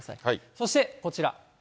そしてこちら。